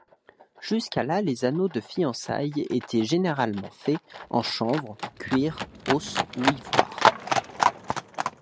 Jusque-là, les anneaux de fiançailles étaient généralement faits en chanvre, cuir, os ou ivoire.